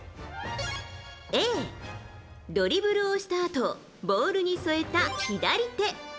Ａ、ドリブルをしたあとボールに添えた左手。